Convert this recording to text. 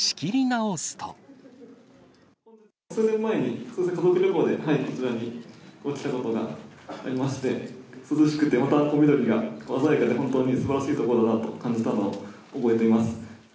数年前に、家族旅行で、こちらに来たことがありまして、涼しくて、また緑が鮮やかで、本当にすばらしい所だなと感じたのを覚えています。